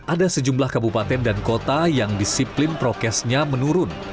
ada sejumlah kabupaten dan kota yang disiplin prokesnya menurun